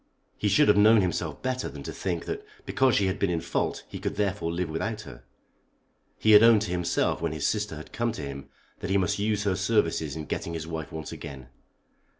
He should have known himself better than to think that because she had been in fault he could therefore live without her. He had owned to himself when his sister had come to him that he must use her services in getting his wife once again.